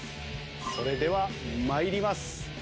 それでは参ります。